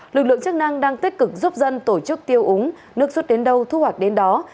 lực lượng chức năng đang tích cực giúp dân tổ chức tiêu úng nước rút đến đâu thu hoạch đến đó